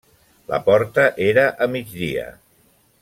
La porta era a migdia.